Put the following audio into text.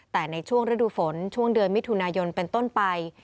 แต่ในช่วงฤดูฝนช่วงเดือนมิถุนายนเป็นต้นไป